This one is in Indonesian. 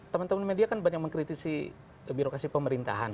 teman teman media kan banyak mengkritisi birokrasi pemerintahan